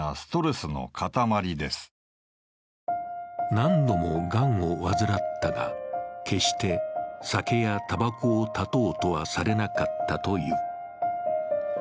何度もがんを患ったが、決して酒やたばこを断とうとはされなかったという。